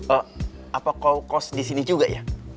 eh apa kau kos disini juga ya